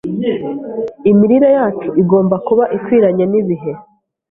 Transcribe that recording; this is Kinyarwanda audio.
Imirire yacu igomba kuba ikwiranye n’ibihe,